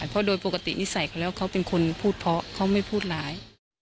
เพราะโดยปกตินิสัยเขาแล้วเขาเป็นคนพูดเพราะเขาไม่พูดร้าย